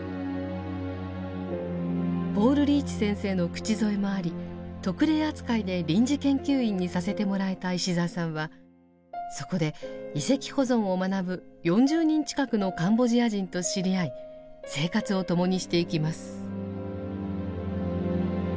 ポール・リーチ先生の口添えもあり特例扱いで臨時研究員にさせてもらえた石澤さんはそこで遺跡保存を学ぶ４０人近くのカンボジア人と知り合い生活を共にしていきます。